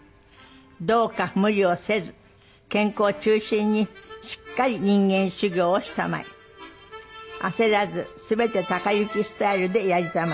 「どうか無理をせず健康中心にしっかり人間修業をしたまえ」「焦らず全て之スタイルでやりたまえ」